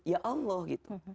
ya allah gitu